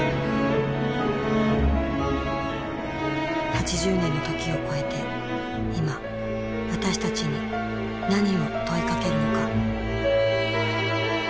８０年の時を超えて今私たちに何を問いかけるのか。